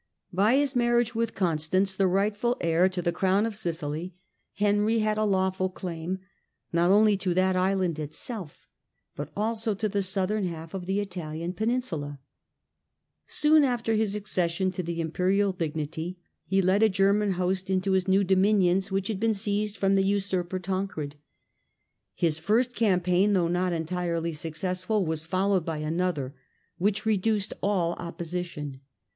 By his marriage with Constance, the rightful heir tothe crown of Sicily, Henry had a lawful claim, not only to that island itself, but also to the southern half of the Italian peninsula. Soon after his accession to the Imperial dignity he led a German host into his A HERITAGE OF STRIFE 23 new dominions, which had been seized by the usurper Tancred. His first campaign, though not entirely successful, was followed by another which reduced all opposition.